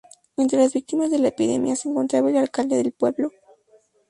Entre las víctimas de la epidemia se encontraba el alcalde del pueblo.